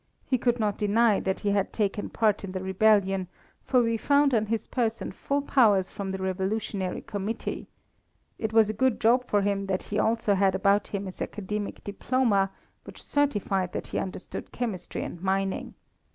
He could not deny that he had taken part in the rebellion, for we found on his person full powers from the revolutionary committee. It was a good job for him that he also had about him his academic diploma, which certified that he understood chemistry and mining.